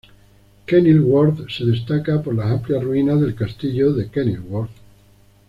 Kenilworth se destaca por las amplias ruinas del castillo de Kenilworth.